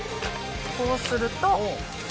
こうすると。